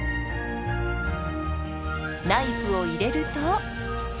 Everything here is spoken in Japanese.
ナイフを入れると。